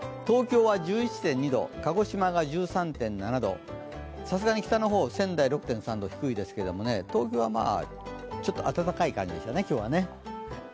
東京は１１．２度、鹿児島が１３．７度さすがに北の方仙台６．３度低いですけど東京はちょっと暖かい感じでしたね、今日は。